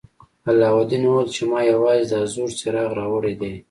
علاوالدین وویل چې ما یوازې دا زوړ څراغ راوړی دی.